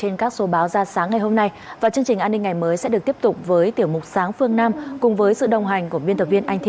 ngày mới sẽ được tiếp tục với tiểu mục sáng phương nam cùng với sự đồng hành của viên tập viên anh thi